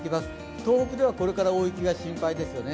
東北ではこれから大雪が心配ですよね。